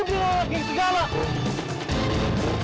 lu sudah nangka l admin